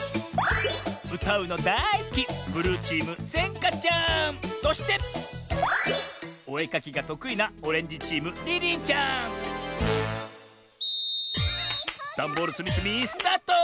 うたうのだいすきそしておえかきがとくいなダンボールつみつみスタート！